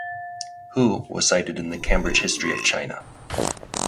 Hu was cited in "The Cambridge History of China".